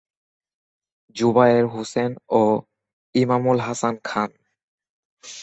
জোবায়ের হোসেন ও ইমামুল হাসান খান।